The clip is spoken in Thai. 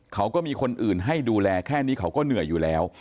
เขาก็มีคนอื่นให้ดูแลแค่นี้เขาก็เหนื่อยอยู่แล้ว